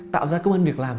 tạo ra công ơn việc làm